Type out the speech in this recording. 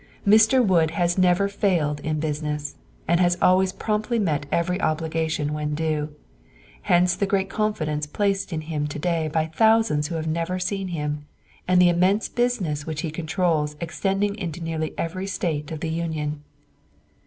Mr. Wood has never failed in business, and has always promptly met every obligation when due; hence the great confidence placed in him to day by thousands who have never seen him, and the immense business which he controls extending into nearly every State of the Union.